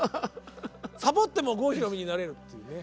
サボっても郷ひろみになれるっていうね。